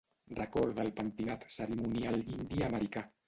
Recorda el pentinat cerimonial indi americà.